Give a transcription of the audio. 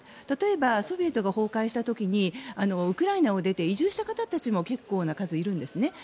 例えば、ソビエトが崩壊した時にウクライナを出て移住した方たちも結構な数、いるんですね。